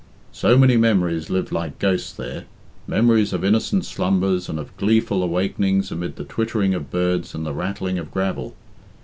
So many memories lived like ghosts there memories of innocent slumbers, and of gleeful awakenings amid the twittering of birds and the rattling of gravel.